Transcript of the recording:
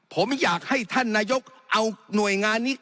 ผมอยากให้ท่านนายกเอาหน่วยงานนี้